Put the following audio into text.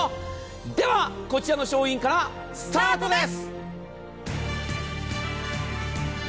では、こちらの商品からスタートです！